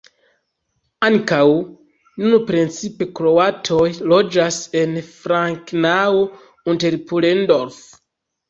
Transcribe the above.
Ankaŭ nun precipe kroatoj loĝas en Frankenau-Unterpullendorf.